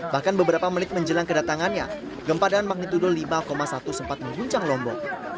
bahkan beberapa menit menjelang kedatangannya gempa dengan magnitudo lima satu sempat mengguncang lombok